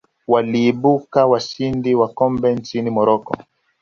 cameroon waliibuka washindi wa kombe nchini morocco